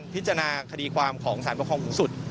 พิจารณาคดีความของสามกระครองคุณสุด